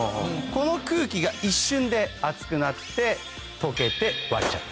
この空気が一瞬で熱くなって溶けて割れちゃう。